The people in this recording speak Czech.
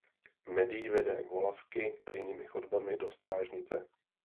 Maddie vede Volavky tajnými chodbami do strážnice.